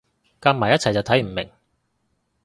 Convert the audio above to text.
夾埋一齊就睇唔明